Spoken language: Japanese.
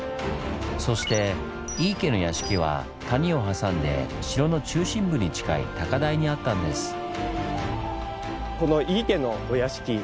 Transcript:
そして井伊家の屋敷は谷を挟んで城の中心部に近い高台にあったんです。